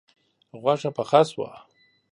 غوښه پخه شوه